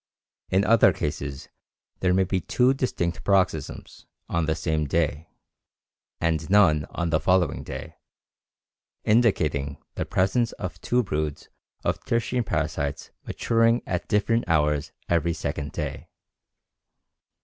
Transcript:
In other cases there may be two distinct paroxysms on the same day, and none on the following day, indicating the presence of two broods of tertian parasites maturing at different hours every second day.